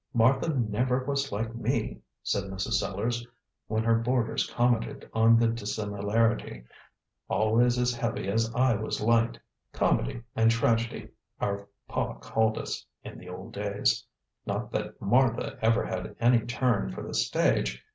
"Martha never was like me," said Mrs. Sellars, when her boarders commented on the dissimilarity, "always as heavy as I was light. Comedy and Tragedy, our Pa called us in the old days. Not that Martha ever had any turn for the stage.